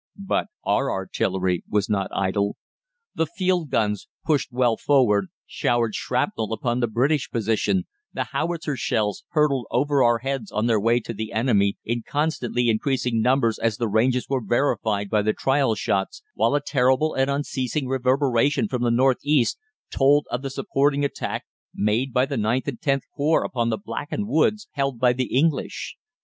"But our artillery was not idle. The field guns, pushed well forward, showered shrapnel upon the British position, the howitzer shells hurtled over our heads on their way to the enemy in constantly increasing numbers as the ranges were verified by the trial shots, while a terrible and unceasing reverberation from the north east told of the supporting attack made by the IXth and Xth Corps upon the blackened woods held by the English.